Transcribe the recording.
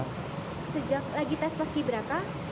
sejak lagi tes paski beraka